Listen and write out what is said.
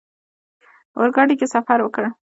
اورګاډي کې سفر وکړ.